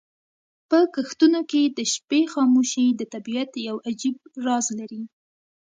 په کښتونو کې د شپې خاموشي د طبیعت یو عجیب راز لري.